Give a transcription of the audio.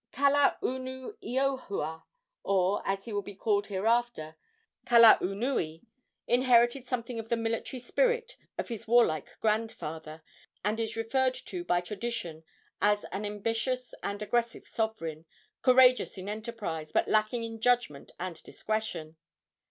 Kalaunuiohua or, as he will be called hereafter, Kalaunui inherited something of the military spirit of his warlike grandfather, and is referred to by tradition as an ambitious and aggressive sovereign, courageous in enterprise, but lacking in judgment and discretion.